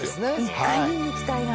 １回見に行きたいな。